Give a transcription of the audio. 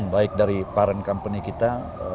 baik dari parent company kita